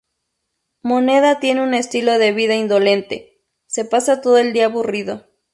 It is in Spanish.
Moneda tiene un estilo de vida indolente, se pasa todo el día aburrido.